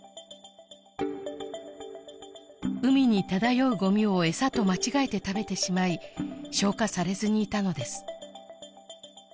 海に漂うごみをエサと間違えて食べてしまい消化されずにいたのです